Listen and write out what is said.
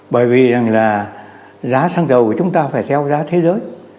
bởi vì rằng là giá xăng dầu của chúng ta phải theo giá thế giới